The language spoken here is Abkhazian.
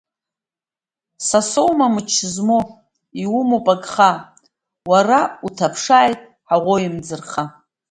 Са соума мчы змоу, иумоуп агха, уара уҭаԥшааит ҳаӷоу имӡырха.